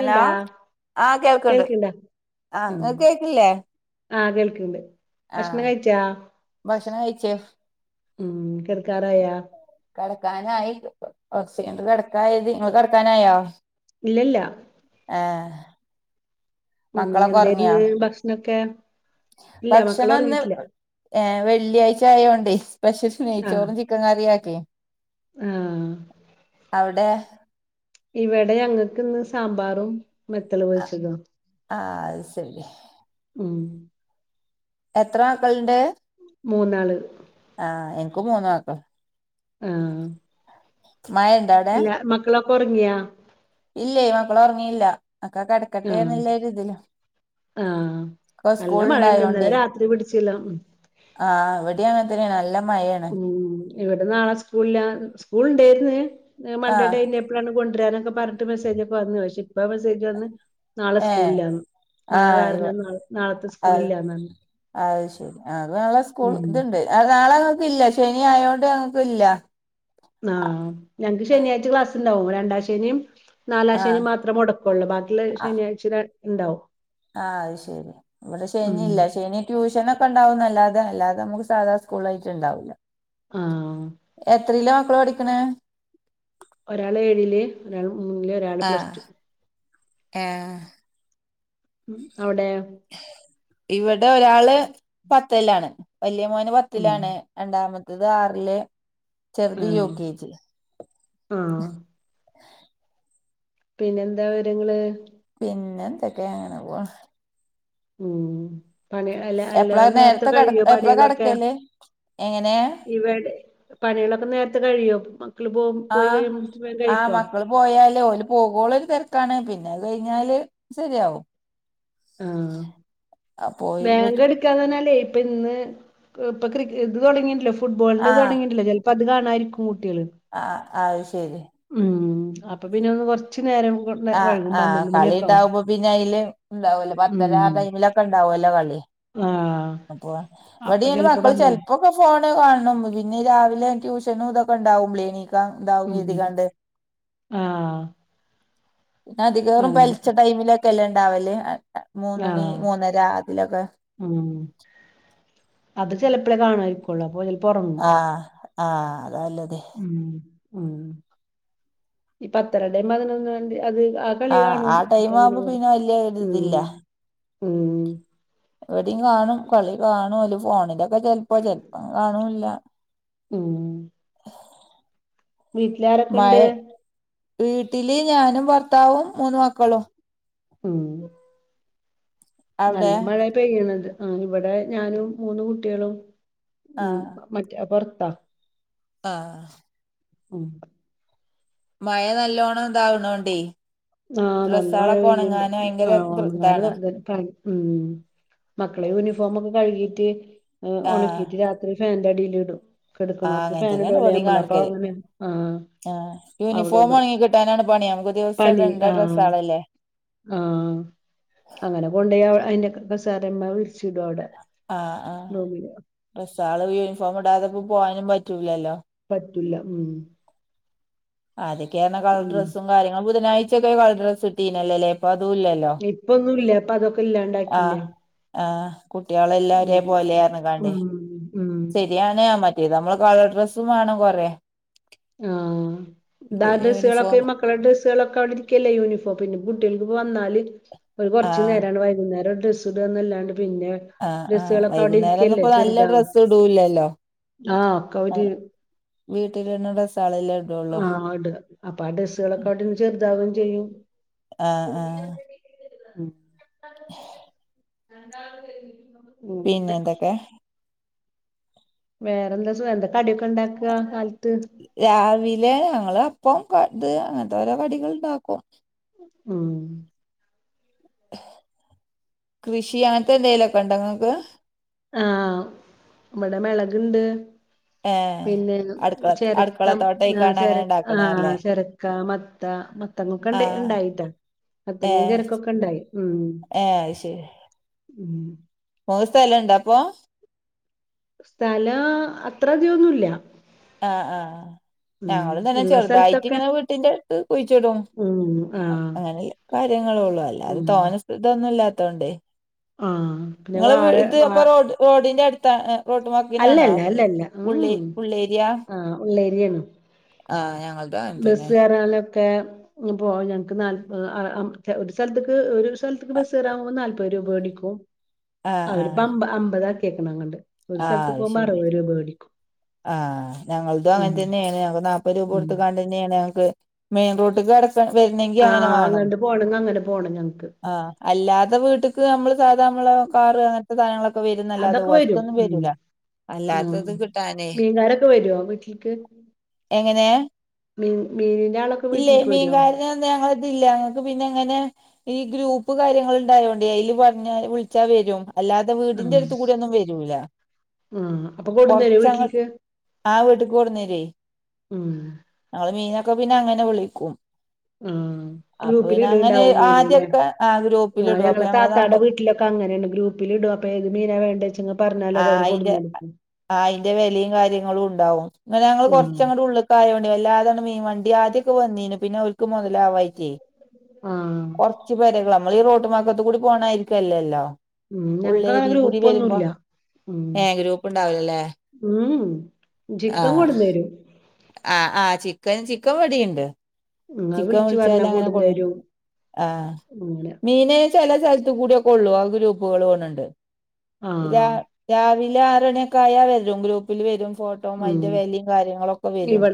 Hello ആഹ് കേൾക്ക്ണ്ട് കേൾക്കിണ്ടാ ആഹ് ഇങ്ങക്ക് കേക്കില്ലേ ആഹ് കേൾക്കണ്ട് ഭക്ഷണം ആഹ് കഴിച്ചാ ഭക്ഷണം കഴിച്ചോ ഉം കിടക്കാറായാ കടക്കാനായി ഓക്സിജൻറ് കിടക്കായത് നിങ്ങ കിടക്കാനായോ ഇല്ലല്ല ഏ ഉം മക്കളൊക്കെ ഉറങ്ങിയാ എന്തേര്ന്ന് ഭക്ഷണൊക്കെ ഇല്ല മക്കള് ഭക്ഷണംന്ന് ഒറങ്ങിട്ടില്ല ഏഹ് വെള്ളിയാഴ്ച ആയോണ്ടേ സ്പെഷ്യൽ ആഹ് നെയ്ച്ചോറും ചിക്കൻ കറിയാക്കി ആഹ് അവിടെ ഇവിടെ ഞങ്ങൾക്ക് ഇന്ന് സാമ്പാറും മെത്തൽ പൊരിച്ചതും ആഹ് ആഹ് അത് ശരി ഉം എത്ര മക്കളുണ്ട് മൂന്നാള് ആഹ് എനിക്ക് മൂന്നു മക്കള് ആഹ് മൈൻ എല്ലാ മക്കളൊക്കെ ഉറങ്ങിയാ ഇല്ല മക്കള ഉറങ്ങിയില്ല മക്കെ ആഹ് കിടക്കട്ടെന്നല്ല ഇതില് ആഹ് നല്ല മഴ ഉണ്ട് ഇന്നലെ രാത്രി പിടിച്ചില്ലോ ആഹ് ഇവിടെ അങ്ങനത്തനെ നല്ല മഴാണ് ഉ ഇവിടെ നാളെ സ്കൂള് ഇല്ല സ്കൂൾ ഉണ്ടായിന്ന് മണ്ടേ ആഹ് ടൈ എപ്പോഴാണ് കൊണ്ടുവരാനൊക്കെ പറഞ്ഞിട്ട് മെസ്സേജ്ക്കെ വന്നു പക്ഷെ ഇപ്പ മെസ്സേജ് വന്ന് നാളെ ഏഹ് സ്കൂളില്ല എന്ന് ആഹ് ഇ അ സ്കൂളില്ലാന്നാണ് അത് ശരി അത് നല്ല സ്കൂൾ ഉം ഇതുണ്ട് അ നാളെ അങ്ങക്ക്ഇല്ല ശനി ആയോണ്ട് ഞങ്ങൾക്ക്ഇല്ല ആഹ് ഞങ്ങക്ക് ശനിയാഴ്ച ക്ലാസ്ണ്ടാവും രണ്ടാ ശനിയും നാലാം ശനി ആഹ് മാത്രം മുടക്കുള്ളൂ ബാക്കിള്ള ശനിയാഴ്ച ഉണ്ടാവും ആ അത് ശരി. ഇവിടെ ഉം ശനില്ല ശനി ട്യൂഷന ഒക്കെ ഉണ്ടാവുന്നല്ലാതെ അല്ലാതെ നമുക്ക് സാധാ സ്കൂള് ആയിട്ട് ഉണ്ടാവൂല്ല ആ എത്രല്ല മക്കള് പഠിക്കണേ ഒരാള് ഏഴില് ഒരാള് മൂന്നില് ഒരാള് പ്ലസ് ആഹ് ടു ഏഹ് ഉം അവടെ ഇവടെ ഒരാള് പത്തെല്ലാണ് വെല്യ മോന് ഉം പത്തിലാണ് രണ്ടാമത്തത് ആറ്ല് ഉം ആഹ് പിന്നെന്താ വിവരങ്ങള് പിന്നെ എന്തൊക്കെ അങ്ങനെ പോണ് ഉം പണി അല്ല അല്ല എപ്പളാ നേരത്ത് നേരത്തെ കട കഴിയോ എപ്പളാ പണികളൊക്കെ കടക്കല് എങ്ങനെ ഇവിടെ പണികളൊക്കെ നേരത്തെ കഴിയോ മക്കള് പോക പോയി കഴിയുമ്പോഴത്തിന്. കഴിക്കോ പോയാലേ ഓല് പോകുള്ള ഒരു തിരക്കാണ് പിന്നെ അത് കഴിഞ്ഞാല് ശരിയാവും. ആഹ് പോയി കിട്ടും ബേങ്കെട് കന്നന്നാലെ ഇപ്പൊ ഇന്ന് ഇപ്പൊ പ്പ ക്രി ഇത് തുടങ്ങിയല്ലോ ഫുട്ബോളിൻ്റെ ആഹ് തുടങ്ങിയിട്ടല്ലോ ചില പ തു കാണാഇരിക്കും കുട്ടികള് ആഹ് അഹ്ശരി ഉം അപ്പൊ പിന്നെ ഒന്ന് കൊറച്ചു നേരം കൊട് ആഹ് ആഹ് കളി ഉണ്ടാവുമ്പോ പിന്നെ അയില് ഉണ്ടാവല്ലോ പത്തരാ ഉം ടൈമിലൊക്കെ ഇണ്ടാവാെല്ലോ കളി ആഹ് അപ്പൊ അപ്പൊ വെർദേങ്കിലും ചെലപ്പോ മക്കള് പന്ത്രണ്ട് ചെൽപ്പോ ഇപ്പൊ ഫോണ് കാണും പിന്നെ രാവിലെ ട്യൂഷനും ഇതൊക്കെണ്ടാവുബളോയ് എണീക്കാം ഉം ആഹ് പിന്നെ അധികേറും ആഹ് പെലച്ച ടൈമിലൊക്കെ എല്ലാ ഉണ്ടാവല് മൂന്നണി ആഹ് മൂന്നര അതിലൊക്കെ ഉം അത് ചെലപ്പോഴേ കാണമായിരിക്കുള്ളൂ അപ്പൊ ചിലപ്പോ ഉറങ്ങും. ആഹ് ആഹ് അതനല്ലതെ. ഉം ഉം ഈ പത്തരടേം പതിനൊന്ന് മണിടിം അത് [unintelligible] ആഹ് കളികാണും ആ ടൈം ഇന്നട്ട് അങ്ങന്നെ ആവുമ്പോ വരും പിന്നെ വല്യ ഉം ഒരിതില്ല ഉം ഇവിടേം കാണും കളി കാണോല് ഫോണിലൊക്കെ ചെലപ്പോ ചെലപ്പം കാണൂല്ല ഉഉം വീട്ടിലാരൊക്കെ മഴ ണ്ട് വീട്ടില് ഞാനും ഭർത്താവും മൂന്ന് മക്കളും ഊ.. മ് നല്ല അവിടെ മഴ പെയ്യണത് ആഹ് ഇവിടെ ഞാനും മൂന്ന് കുട്ടികളും ഉം ആഹ് മറ്റ വർത്ത ആഹ് ഉം പ മഴ നല്ലോണം ഇതാവണോണ്ടേ ആഹ് നല്ല മഴ ഡ്രസ്സാളൊക്കെ പെയ്യണ്ട് ഒണങ്ങാന് ഭയങ്കര ആഹ് ഓണങ്ങാലും ഇതാണ് അത് [unintelligible] ഉം മക്കളെ യൂണിഫോമൊക്കെ കഴുകിട്ട് ഏഹ് ആഹ് ഉണക്കിയിട്ട് രാ ത്രി ഫാൻ്റെ അഡീൽ ഇടും ആഹ് കിടുക്കണോടുത്ത് അങ്ങനെ തന്നെയാണ് ഫാനടല്ലോ ഇവിടെയും നമ്മള് അപ്പൊ കാണിക്കല് ആ അവിടെടും ഫാനാണ് പണിയ നമുക്ക് ദിവസം ഇടണ്ട ഡ്രസ്സാളല്ലേ ആഹ് അങ്ങനെ കൊണ്ടയി അയിന്റെ കസോരമ്മ വിരിച്ചിടും അവിടെ ആഹ് ആഹ് റൂമില് ഇപ്പം സാധ യൂണിഫോം ഇടാതെപ്പോ പോവാനും പറ്റൂലല്ലോ പറ്റൂല ഉം ആദ്യക്കെ പറഞ്ഞ കളർ ഡ്രസ്സും പിന്നെ കാര്യ ബുധനാഴ്ചൊക്കെ കളർ ഡ്രസ് കട്ടീനല്ലേ അപ്പൊ അതും ഇല്ല ഇപ്പൊന്നുല്ല ഇപ്പൊ അതൊക്കെ ആഹ് ഇല്ലാണ്ടാക്കില്ലേ ആഹ് കുട്ടികള എല്ലാവരേ ഉം പോലാ പറഞ്ഞ് കാണ്ടേ ഉം ഉം ശരിയാണ് മറ്റേത നമ്മള് കളർ ഡ്രസ്സും വേണം കൊറേ ആഹ് ഇപ്പൊ ദാദ്രസളക്ക യൂണിഫോം മ ഡ്രസ്സുകളൊക്കെ അവിടെരിക്കല്ലേ യൂണിഫോം പിന്നെ കുട്ടികൾക്ക് വന്നാല് ഒരു കുറച്ചു ആഹ് നേരാണ് വൈകുന്നേരം ഡ്രസ്സ് ഇടന്നല്ലാണ്ട് പിന്നെ ആഹ് ആഹ് ഡ്രസ്സുകളൊക്കെ അവിടെ വൈകുന്നേരം ഒന്നും ഇരിക്കല്ലേ ഇപ്പൊ നല്ല ചെറുതാവും ഡ്രസ്സ് ഇടൂലല്ലൊ ആഹ് ഒക്കെ അവര് വീട്ടില് ഇടുന്ന ഡ്രസ്സാള‌ല്ലെ ഇ ആഹ് ഇട അപ്പൊ ആഹ് ഡ്രസ്സാളൊ കാട്ടിലും ചെറ്താവും ചെയ്യും ആഹ് ആഹ് ഉം രണ്ടാളത് [unintelligible] പിന്നെ എന്തൊക്കെ വേറെന്ത സുകം. എന്താ കടിയൊക്കെ ഇണ്ടാക്ക കാലത്ത് രാവിലേ. ഞങ്ങള് അപ്പം ഇത് അങ്ങൻത്തോരൊ കടികള് ഇണ്ടാക്കും ഉം കൃഷി അങ്ങൻതെ എന്തേലൊക്കെണ്ടൊ ഇങ്ങക്ക് ആഹ് ഇവടെ മെളക്ണ്ട് ഏ പിന്നെ അടുക്കള ചെരക്കം ആഹ് അടുക്കളത്തോട്ടയ്ക്കാണ് ചെര അങ്ങനെ ആഹ് ഇണ്ടാക്കണല്ലേ ചെര- മത്ത മത്തങ്ങൊക്കെ ഇണ്ട് ആഹ് ഇണ്ടായിട്ടൊ ഏ മത്തങ്ങെ ചെരക്കയൊക്കെണ്ടായി ഉം ഏ അത് ശരി ഉം മൂന്ന് [unintelligible] സ്ഥലണ്ടൊ അപ്പോ സ്ഥലാ അത്രധികൊന്നുല്ല ആഹ് ആഹ് ഞങ്ങളും തന്നെ ഇള്ള ചെറുതായിട്ട് സ്ഥലത്തൊക്കെ ഇങ്ങനെ വീട്ടിന്റെ അടുത്ത് കുഴിച്ചിടും ഉം ആഹ് അങ്ങനെ കാര്യങ്ങളൊള്ളു അല്ലാതെ ഉം തോനെ ഇതൊന്നും ഇല്ലാത്തോണ്ടെ ആഹ് പിന്നെ ഇങ്ങളെ വാഴ വിട് ഇത് വാ അപ്പൊ റോഡിന്റെ അടുത്ത ഏഹ് റോടു വാക്കിനാണൊ അല്ലല്ല അല്ലല്ല ഉള്ളെ ഉം ഉള്ളേരി - ആഹ് [unintelligible] ഞങ്ങൾതു അങ്ങൻതന്നെ ലൊക്കേ ഇഞിപൊ ഞങ്ങക്ക് നാൽപത് ഒര് സ്ഥലതിക്ക് - ഒരു സ്ഥലത്തിക്ക് ബസ് കേറാൻ പോകുമ്പോ നാല്പത് രൂപ വേടിക്കും. ആഹ് അവര്പ്പൊ ആഹ് അമ്പത് അമ്പതാക്കിക്കെണ് എങ്ങാണ്ട് ഒര് ആഹ് സ്ഥലത്ത് അത് പോവുമ്പൊ ശരി അറുപത് രൂപ വേടിക്കും ആഹ് ഞങ്ങളതും അങ്ങനെ തന്നെ യാണ് ഞങ്ങക്ക് നാപ്പത് രൂപ ഉം കൊടുത്ത്ങ്ങാണ്ട് തന്നെയാണ് ഞങ്ങക്ക് മെയിൻ റോട്ട്ക്ക് കട- വെരുന്നെങ്കി അങ്ങനെ ആഹ് വേണം അങ്ങണ്ട് പോണെങ്കി അങ്ങനെ പോണം ഞങ്ങക്ക് ആഹ് അല്ലാതെ വീട്ട്ക്ക് ഞമ്മള് സാധാ നമ്മള് വെക്കാറ് അങ്ങനെ- സാധങ്ങളൊക്കെ വരുംന്നല്ലാതെ അതൊക്കെ വരും വസ്ത്രയൊന്നും ഉം വരൂല ആഹ് അല്ലാത്തത് കി മീൻകാരൊക്കെ വരൊ വീട്ട്ല്ക്ക് എങ്ങനെ മീ മീനിന്റെ ആളൊക്കെ വീട്ട്ൽക്ക് വരൊ? [unintelligible] ഞങ്ങൾതില്ല ഞങ്ങക്ക് പിന്നെ എങ്ങനെ- ഈ ഗ്രൂപ്പ് കാര്യങ്ങള് ഇണ്ടായോണ്ടെ അയില് പറഞ്ഞാല് വിളിച്ചാ വരും അല്ലാ- വീടിന്റെ ആഹ് എടുത്തു കൂടിയൊന്നും വരൂല ആഹ് അപ്പൊ പൊർ കൊടുന്നരോ വീട്ടിൽക്ക് ആഹ് വീട്ട്ക്ക് കൊണ്ടൊന്നു തരുവെ ഉം ഞങ്ങള് മീനൊക്കെ പിന്നെങ്ങനെ വിളിക്കും ആഹ്. അപ്പൊ ഗ്രൂപ്പില് പിന്നെ അങ്ങനെ ഇടണ്ടാവും മീന് ലേ. ആദ്യൊക്കെ ആ ആഹ് ഗ്രൂപ്പിലിടും അപ്പൊ ഞങ്ങളെ താത്തടെ നമ്പർ വീട്ടിലൊക്കെ അങ്ങനേണ് ഗ്രൂപ്പ് പ്പ്ലിടും അപ്പേത് മീന വേണ്ടേച്ചങ്ങ് പർഞ്ഞാല് അത് അവര് കൊട്ന്നൊട്ക്കും. ആഹ് അയിന്റെ വെലിം കാര്യങ്ങളുണ്ടാവും. ഇന്ന ഞങ്ങള് ആഹ് കൊറച്ചങ്ങട്. ഉള്ള്ക്കായോണ്ടെ വല്ലാതാണ്ട് മീൻ വണ്ടി ആദ്യൊക്കെ വന്നീനു പിന്ന ഓൽ ക്ക് മൊതലാവായിൻറ്റെ ആഹ് പൊ റ്റി പെരകള. നമ്മളീ റോട്ടും വാക്കത്ത് കൂടി പോണാരിക്കല്ലല്ലോ. ഉം ഞങ്ങക്ക് അങ്ങനെ ഉള്ളേരി കൂടി വരുമ്പോ. ഗ്രൂപ്പൊന്നുല്ല ഏഹ് ഗ്രൂപ്പ്ണ്ടാവുലലേ. ഉം ഉം ചിക്കൻ കൊടന്നേരും. ആഹ് ആഹ് ചിക്കൻ ചിക്കൻ ഇവിടേം ഇണ്ട്. ഇങ്ങള് ചിക്കൻ വിളിച്ചു പറഞ്ഞാ വിളിച്ചാലങ്ങനെ കൊട് കൊടുന്നരും ആഹ് അങ്ങനെ മീന് ചെല സ്ഥൽത്ത് കൂടിയൊക്കെള്ളു ആഹ് ഗ്രൂപ്പുകള് തോന്ന്ണ്ട് ആഹ്. രാ രാവിലെ ആറണിയൊക്കെ ആയ വരും ഗ്രൂപ്പില് വരും ഫോ അയിന്റെ വെലിം കാര്യങ്ങളൊക്കെ വരും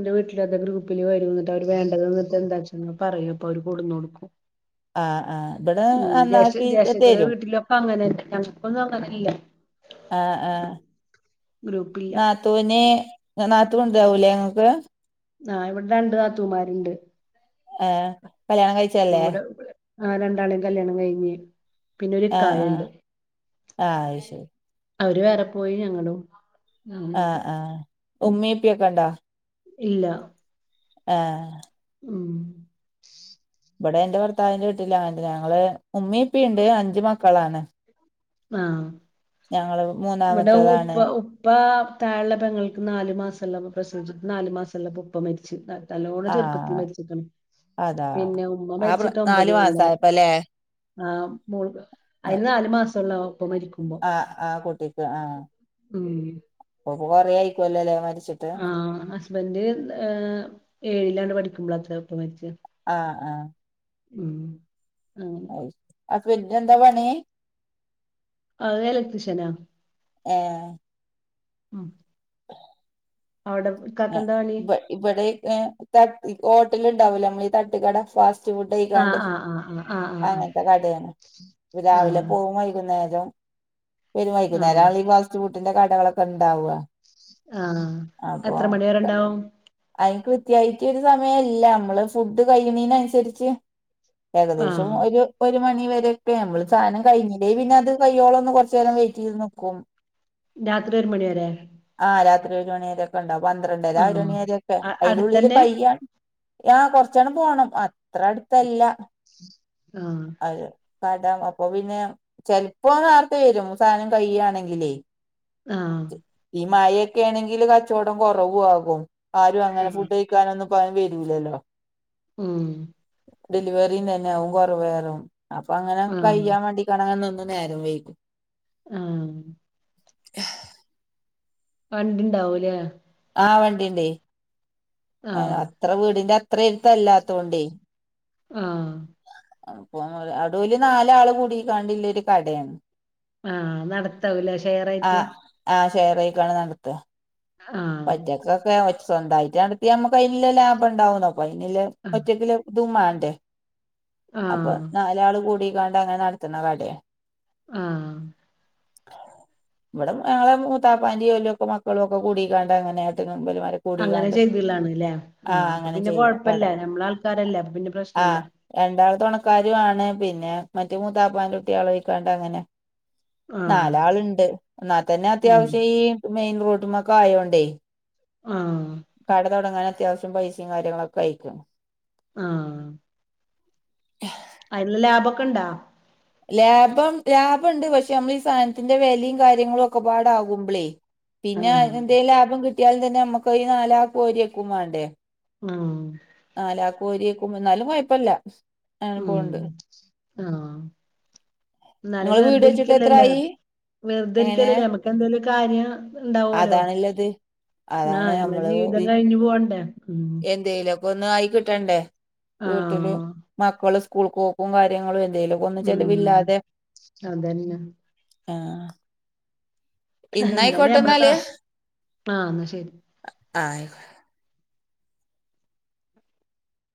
ന്റെ വീട്ടിലത ഗ്രൂപ്പില് വരും എന്നിട്ട് അവർ വേണ്ടത ന്നിട്ട് എന്താച്ച പറയും അപ്പൊ അവര് കൊടുന്ന് കൊടുക്കും ആഹ് ആഹ് ഇവിടെ ഉം ജേഷ്ട നന്നാക്കി ജേഷ്ഠത്തിടെ തരും വീട്ടിലൊക്കെ അങ്ങനെ ഞങ്ങക്കൊന്നും അങ്ങനെല്ലാ ആഹ്ആഹ് ഗ്രൂപ്പില്ല തൂന് നാത്തൂണ്ടാവൂലേ ങ്ങക്ക് ആഹ് ഇവിടെ രണ്ട് നാത്തൂമാരുണ്ട്. ഏഹ് കല്യാണം കഴിച്ചല്ലേ നൂരോ ആ രണ്ടാളീം കല്യാണം കഴിഞ്ഞ് പിന്നെ ഒരു ആഹ് ആഹ് കാര്യണ്ട് ആഹ് അത് ശരി അവര് വേറെ പോയി ഞങ്ങളും ആഹ് അങ്ങനെയൊക്കെ ആഹ് ഉമ്മീം ഉപ്പിക്കെ ഉണ്ടോ ഇല്ല ആഹ് ഉം ഇവിടെ എന്റെ ഭർത്താവിന്റെ വീട്ടിലാ ഞങ്ങള് ഉമ്മീ ഉപ്പിണ്ട് അഞ്ച് മക്കളാണ് ആഹ് ഞങ്ങള് മൂന്നാമത്തതാണ് ഇപ്പ താഴെയുള്ള പെങ്ങൾക്ക് നാല് മാസയുള്ളപ്പോ പ്രസവിച്ച് നാല് മാസമുള്ളപ്പോ ഉപ്പ മരിച്ച്. നല്ലോണം ചെറുപ്പത്തി ആഹ് മരിച്ചിയിടും. അതാ പിന്നെ ഉമ്മ ആ പ്ര- മരിച്ചിട്ട് ഒമ്പത് നാലു കൊല്ലായി. മാസായപ്പല്ലേ ആഹ് അയിന് നാല് മാസള്ള ഉപ്പ മരിക്കുമ്പോ അ ആ ആഹ് കുട്ടിക്ക് ആഹ് ഉം അകൊറ ആയിക്കുവല്ലേ മരിച്ചിട്ട് ആഹ് ഹസ്ബന്ഡ് ഏഹ് ഏഴിലാണ്ട് പഠിക്കുമ്പളാ തരെ ഇപ്പ മരിച്ച് ആഹ് ആഹ് ഉം അങ്ങനെ അത് പിന്നെ എന്താ പണി ആത് എലക്ട്രീഷ്യനാ ഏഹ് ഉം അവിടെ ഇക്കാക്കെന്താ പണി ഇവിടെക്കെ തട്ട് ഹോട്ടല് ണ്ടാവൂ ല്ലോ നമ്മൾ ഈ തട്ട് കട ഫാസ്റ്റ് ആ ചൂടെയ്ക്കാണ്ട്‌ ആ ആ ആ ആ ആ അങ്ങനത്തെ കടയാണ് ആ രാവിലെ പോകും വൈകുന്നേരം പ്പൊ യ്ന്, ആ ആ വൈകുന്നേരാണലോ ഈ ഫാസ്റ്റ് ഫുഡി ന്റെ കടകളൊക്കെ ണ്ടാവാ. ആഹ്. എത്ര മണി വരെണ്ടാവും? അയിന് കൃത്യായിട്ട് ഒരു സമയല്ല അമ്മള് ഫുഡ് കഴിയണേനനുസരിച്ച് ഏകദേശം ആ ഒരു ഒരു മണി വരെക്കെ. നമ്മള് സാധനം കഴിഞ്ഞില്ലേൽ പിന്നെ, അത് കയ്യോളം ഒന്ന് കുറച്ചേരം വെയ്റ്റീത് നിക്കും. [inaudible] രാത്രി ഒരു മണിവരെ? ആഹ് രാത്രി ഒരു മണിവരെക്കെ ണ്ടാവും. പന്ത്രണ്ടര ആഹ് ഒരണി വരൊക്കെ. അ അയിന്റെ ഉള്ളില് അടുത്തന്നെ കയ്യാണ് ആഹ് കൊറച്ചണ് പോണം. അത്ര അട്ത്തല്ല. ആഹ്. അതെ. കടാണ്. അപ്പൊ പിന്നെ, ചെൽപ്പൊ നേര്ത്തെ വരും സാധനം കയ്യാണെങ്കിലേ. ആഹ്. ഈ, മഴൊക്കാണെങ്കിൽ കച്ചോടം കൊറവും ആവും. ആരും അങ്ങനെ ആഹ് ഫുഡ് ക്കാനൊന്നും പ്പാരും വെരൂല്ലല്ലോ? ഉം. ഡെലിവറീം തന്നെ അകും കൊറവയറും അപ്പൊ അങ്ങനെ ആഹ് കയ്യാൻ വേണ്ടി കണാൻ നിന്ന് നേരം വെയ്കും. ആഹ്. [unintelligible] വണ്ടിണ്ടാവുല്ലേ ആഹ് വണ്ടിണ്ടേ ആ ആഹ് അത്ര വീടിന്റെ അത്ര എരുത്തല്ലാത്തൊണ്ടേ- ആഹ് അപ്പൊ അടൂല് നാലാള് കൂടി കാണ്ടില്ലൊരു കടെണ് ആഹ് നടത്താവൂലെ ഷെയറായിട്ട്. ആഹ് ആഹ് ഷേറായിക്കാണ് നടത്ത ആഹ് ഒറ്റക്കൊക്കെ സ്വന്തായിട്ട് നടത്തിയാ നമ്മുക്ക് അതിനിലില്ല ലാഭം ഉണ്ടാവുന്നോക്ക അയ്നുള്ളെ ആഹ് ഒറ്റക്കുല്ലേ ദുമ്മാന്റെ അപ്പൊ ആഹ് നാലാള് കൂടി കാണ്ട് അങ്ങനെ നടത്ത്ണ കടയാ. ആഹ് ഇവിടെ ഞങ്ങളെ മൂത്താപ്പാന്റെ ഓല് മക്കളും ഒക്കെ കൂടി കണ്ടേ അങ്ങനെ ആട്ടിങ്കോണ്ട് ഒരുമലും അങ്ങനെ ചെയ്ത്ള്ളാണ്ല്ലേ അപ്പൊ അങ്ങനെ പിന്നെ ചെയ്യ കട കൊഴപ്പില്ല നമ്മളെ ആൾക്കാരല്ലെ അപ്പൊ പിന്നെ പ്രശ്നില്ല ആഹ് രണ്ടാള് തോണക്കാര് ആണ് പിന്നെ മറ്റ മൂത്താപ്പാന്റുട്ടിയെള്ഴിക്കാണ്ട് അങ്ങനെ. ആഹ് നാലാള്ണ്ട് എന്ന തന്നെ ഉം അത്യാവശ്യം ഈ മെയിൻ റോഡ്മൊക്കെ ആയോണ്ടേ ആഹ് കട തൊടങ്ങാൻ അത്യാവശ്യം പൈസയും കാര്യങ്ങളൊക്കെ അയിക്കും ആഹ് അയില് ലാബോക്കെ ഇണ്ടോ? ലാഭം ലാഭംണ്ട് പക്ഷെ നമ്മൾ ഈ സാധനത്തിന്റെ വെലേം കാര്യങ്ങളും ഒക്കെ പാടകുമ്പളേ. പിന്നെ ആഹ് എന്തേ ലാഭം കിട്ടിയാലും തന്നെ നമ്മുക്ക്ഈ നാലാക്കും ഓരി വെക്കും വേണ്ടേ. ആഹ് നാലാക്കോരിക്കുമ എന്നാലും കോയെപ്പുല്ല ഉം ആഹ് ന്നാലും നിങ്ങള് വീട് വെച്ചിട്ട് വെറുതിരിക്കല്ലല്ലേ എത്രായി എങ്ങനെ വെറുതിരിക്കല്ലല്ലേ നമ്മക്ക്ന്തേലോ കാര്യം ഇണ്ടാവോലോ? അതാണ്ള്ളത് അതാണ് ആഹ് ഞമ്മളെ ജീവിതം കഴിഞ്ഞു പോണ്ടേ ഉം എന്തെലൊക്കൊന്ന് ആയി കിട്ടെണ്ടെ വീട്ടില്. ആഹ് മക്കള് സ്കൂൾ കോക്കും കാര്യങ്ങളും എന്തേലും. ഉം അതെന്നെ ആഹ് എന്തായാലും നമ്മളെ ഇന്നായിക്കോട്ടേന്നാല് കാ ആഹ് എന്നാ ശരി അഹ് ആയി